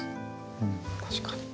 うん確かに。